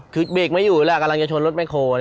คือเบรกไม่อยู่แล้วกำลังจะชนรถแคล